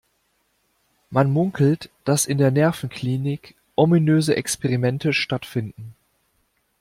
Man munkelt, dass in der Nervenklinik ominöse Experimente stattfinden.